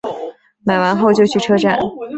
买完后就去车站